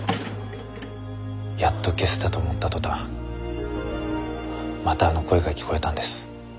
やっと消せたと思った途端またあの声が聞こえたんです。